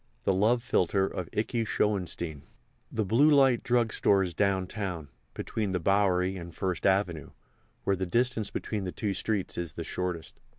THE LOVE PHILTRE OF IKEY SCHOENSTEIN The Blue Light Drug Store is downtown, between the Bowery and First Avenue, where the distance between the two streets is the shortest.